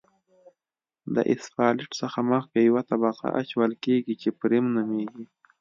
د اسفالټ څخه مخکې یوه طبقه اچول کیږي چې فریم نومیږي